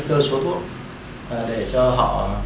cơ số thuốc để cho họ